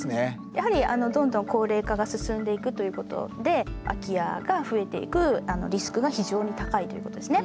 やはりどんどん高齢化が進んでいくということで空き家が増えていくリスクが非常に高いということですね。